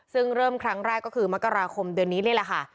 ซึ่งเริ่มครั้งแรกก็คือมกราคมเดือนนี้นี่แหละค่ะ